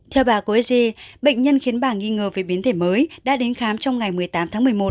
theo bà cô esg bệnh nhân khiến bà nghi ngờ về biến thể mới đã đến khám trong ngày một mươi tám tháng một mươi một